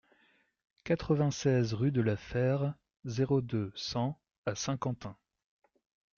quatre-vingt-seize rue de la Fère, zéro deux, cent à Saint-Quentin